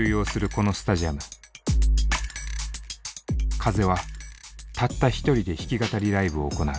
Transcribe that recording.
風はたった１人で弾き語りライブを行う。